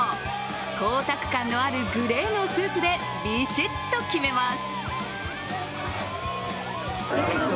光沢感のあるグレーのスーツでビシッと決めます。